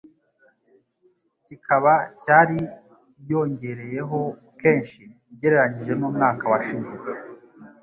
kikaba cyari yongereyeho kenshi ugereranyije n'umwaka wa shize